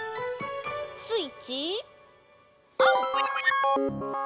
スイッチオン！